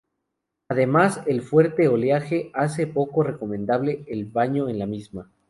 Además, el fuerte oleaje hace poco recomendable el baño en la misma.